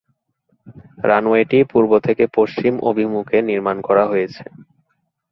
রানওয়েটি পূর্ব থেকে পশ্চিম অভিমুখে নির্মান করা হয়েছে।